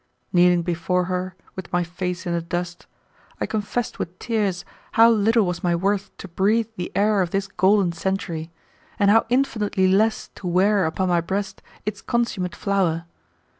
Kneeling before her, with my face in the dust, I confessed with tears how little was my worth to breathe the air of this golden century, and how infinitely less to wear upon my breast its consummate flower.